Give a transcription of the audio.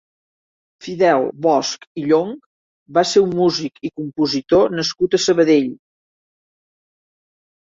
Fidel Bosch i Llonch va ser un músic i compositor nascut a Sabadell.